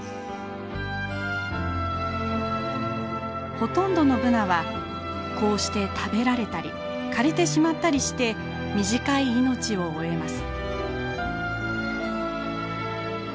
ほとんどのブナはこうして食べられたり枯れてしまったりして短い命を終えます。